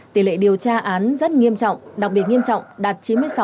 tỷ lệ điều tra án rất nghiêm trọng đặc biệt nghiêm trọng đạt chín mươi sáu hai mươi sáu